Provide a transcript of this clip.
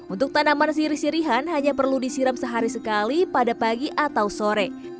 untuk tanaman sirih sirihan hanya perlu disiram sehari sekali pada pagi atau sore